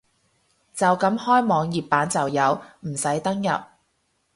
就咁開網頁版就有，唔使登入